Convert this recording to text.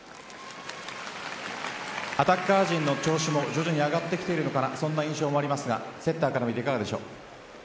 アタッカー陣の調子も徐々に上がってきているのかなという印象もありますがセッターから見ていかがでしょう？